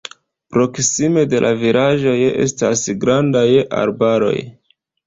Proksime de la vilaĝoj estas grandaj arbaroj.